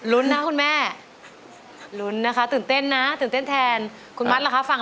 รุ้นนะคุณแม่ลุ้นนะคะตื่นเต้นนะตื่นเต้นแทนคุณมัดล่ะคะฟัง